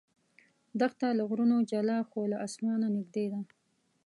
دښته له غرونو جلا خو له اسمانه نږدې ده.